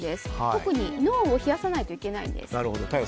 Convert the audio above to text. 特に脳を冷やさないといけないんです。